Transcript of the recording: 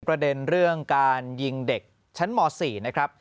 ประเด็นเรื่องการยิงเด็กชั้นม๔นะครับ